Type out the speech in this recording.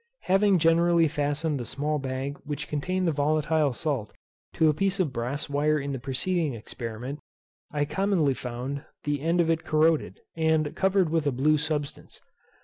Having generally fastened the small bag which contained the volatile salt to a piece of brass wire in the preceding experiment, I commonly found the end of it corroded, and covered with a blue substance.